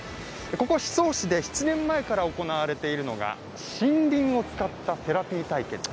ここ宍粟市で７年前から行われているのが森林を使ったセラピー体験。